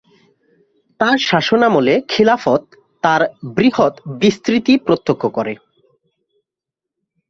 তার শাসনামলে খিলাফত তার বৃহৎ বিস্তৃতি প্রত্যক্ষ করে।